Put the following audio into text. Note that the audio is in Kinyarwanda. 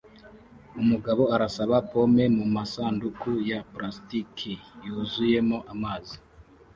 Umugabo arasaba pome mumasanduku ya plastiki yuzuyemo amazi